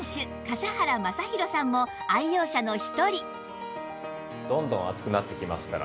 笠原将弘さんも愛用者の一人